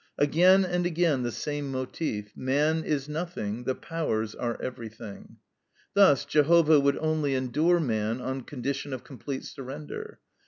Again and again the same motif, MAN IS NOTHING, THE POWERS ARE EVERYTHING. Thus Jehovah would only endure man on condition of complete surrender.